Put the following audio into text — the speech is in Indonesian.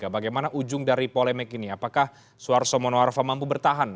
bagaimana ujung dari polemik ini apakah suharto monoarfa mampu bertahan